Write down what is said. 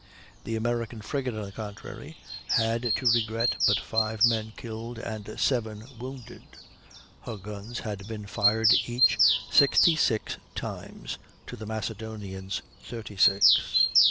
The American frigate, on the contrary, had to regret but five men killed and seven wounded; her guns had been fired each sixty six times to the Macedonian's thirty six.